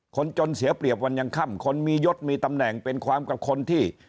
คนจนเสียเปรียบวันยังค่ำคนมียศมีตำแหน่งเป็นความกับคนที่